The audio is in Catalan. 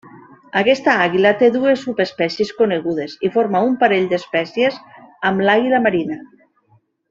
Aquesta àguila té dues subespècies conegudes i forma un parell d'espècies amb l'àguila marina.